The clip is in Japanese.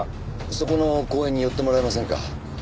そこの公園に寄ってもらえませんか？